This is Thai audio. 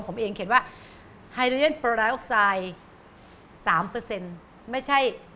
ผมเองเขียนว่าฮาโดยเย็นโปรไลโอคไซด์๓ไม่ใช่๙